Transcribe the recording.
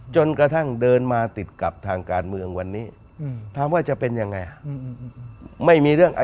จนกระทั่งเดินมาติดกลับทางการเมืองวันนี้